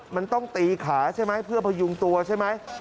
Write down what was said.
มันต้องตีขาใช่ไหมเพื่อพยุงตัวใช่ไหม